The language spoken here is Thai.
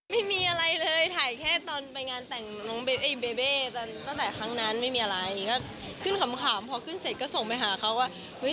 ไม่มีอะไรเลยถ่ายแค่ตอนไปงานแต่งน้องเบเบ้ตอนตั้งแต่ครั้งนั้นไม่มีอะไรก็ขึ้นขำพอขึ้นเสร็จก็ส่งไปหาเขาว่าเฮ้ย